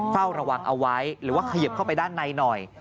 เฝ้าระวังเอาไว้หรือว่าเขยิบเข้าไปด้านในหน่อย